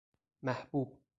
محبوب